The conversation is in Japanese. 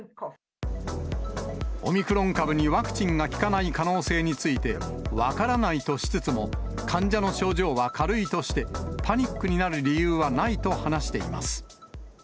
オミクロン株にワクチンが効かない可能性について、分からないとしつつも、患者の症状は軽いとして、パニックになる理由はないと話しています。